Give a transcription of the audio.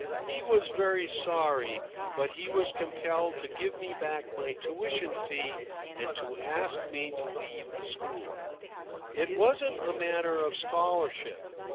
He was very sorry, but he was compelled to give me back my tuition fee and to ask me to leave the school. It wasn't a matter of scholarship.